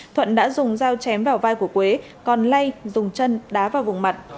thuận đã dùng dao chém vào vai của quế còn lay dùng chân đá vào vùng mặt